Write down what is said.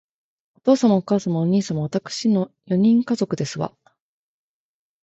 お父様、お母様、お兄様、わたくしの四人家族ですわ